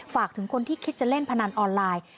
ฝากถึงคนที่คิดจะเล่นพนันออนไลน์